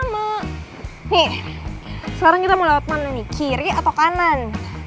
eh sekarang kita mau lewat mana nih kiri atau kanan